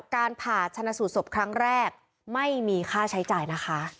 การผ่าชนะสูตรศพครั้งแรกไม่มีค่าใช้จ่ายนะคะ